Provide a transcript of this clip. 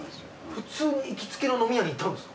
普通に行きつけの飲み屋にいたんですか？